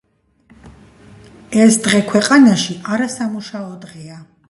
ეს დღე ქვეყანაში არასამუშაო დღეა.